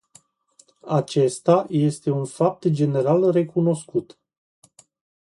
Acesta este un fapt general recunoscut.